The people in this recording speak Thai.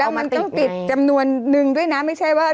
แล้วมันต้องติดจำนวนนึงด้วยนะไม่ใช่ว่า